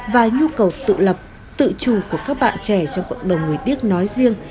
và nhu cầu tự lập tự chủ của các bạn trẻ trong cộng đồng người điếc nói riêng